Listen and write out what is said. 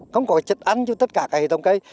không có chất ăn cho tất cả các hệ thống cây